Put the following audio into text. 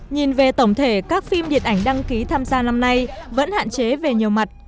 nhìn về tổng thể các phim điện ảnh đăng ký tham gia năm nay vẫn hạn chế về nhiều mặt